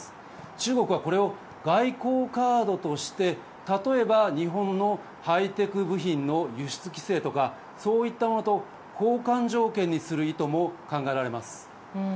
中国はこれを外交カードとして例えば、日本のハイテク部品の輸出規制とかそういったものと交換条件にする意図も考えられます。